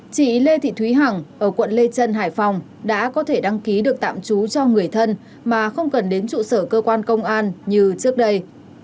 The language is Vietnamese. chị lê thị thúy hằng ở quận lê trân hải phòng đã có thể đăng ký được tạm trú cho người thân mà không cần đến trụ sở cơ quan công an như trước đây